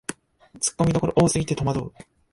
ツッコミどころ多すぎてとまどう